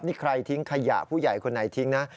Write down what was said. นี่ใครทิ้งขยะผู้ใหญ่คนไหนทิ้งนะ